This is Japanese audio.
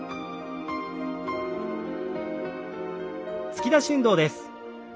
突き出し運動です。